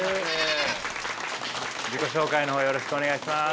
自己紹介の方よろしくお願いします。